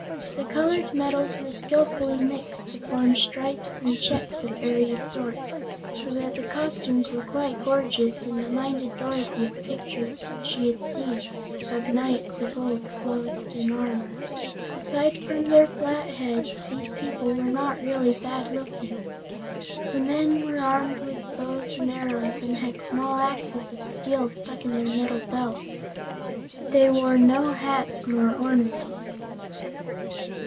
The colored metals were skillfully mixed to form stripes and checks of various sorts, so that the costumes were quite gorgeous and reminded Dorothy of pictures she had seen of Knights of old clothed armor. Aside from their flat heads, these people were not really bad looking. The men were armed with bows and arrows and had small axes of steel stuck in their metal belts. They wore no hats nor ornaments.